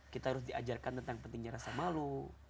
kita harus diajarkan tentang pentingnya rasa malu